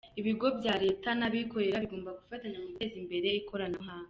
Ibigo bya Leta ndetse n’abikorera bagomba gufatanya mu guteza imbere ikoranabuhanga.